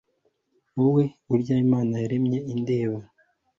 Wowe urya Imana yaremye indeba